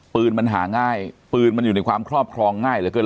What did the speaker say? ปืนมันหาง่ายปืนมันอยู่ในความครอบครองง่ายเหลือเกิน